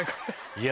いや。